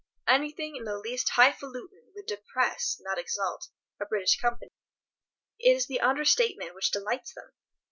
Anything in the least highfalutin' would depress, not exalt, a British company. It is the under statement which delights them.